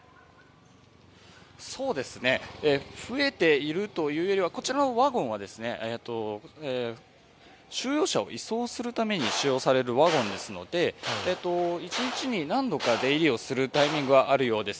増えているというよりは、こちらのワゴンは収容者を移送するために使用するワゴンですので、一日に何度か出入りをするタイミングはあるようです。